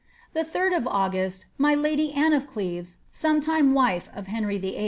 " The 3d of August my lady Anne of Cleves' f«ome time wife of Henry VIII.)